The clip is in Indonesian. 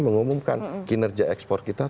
mengumumkan kinerja ekspor kita